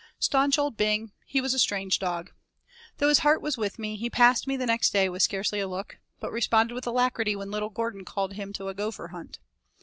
Staunch old Bing he was a strange dog. Though his heart was with me, he passed me next day with scarcely a look, but responded with alacrity when little Gordon called him to a gopher hunt.